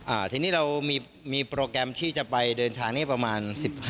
อ่าทีนี้เรามีมีโปรแกรมที่จะไปเดินทางนี้ประมาณสิบห้า